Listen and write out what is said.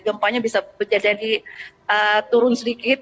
gempa nya bisa jadi turun sedikit